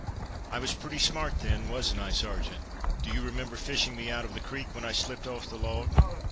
"I was pretty smart then, wasn't I, Sergeant? Do you remember fishing me out of the creek, when I slipped off the log?"